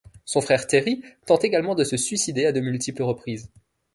Son frère Terry tente également de se suicider à de multiples reprises.